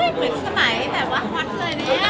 อุ้ยเหมือนสมัยแบบว่าหวัดเลยเนี่ย